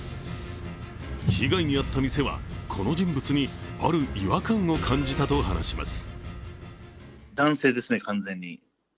被害に遭った店はこの人物にある違和感を感じたと話します。